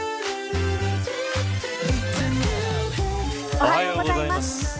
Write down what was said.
おはようございます。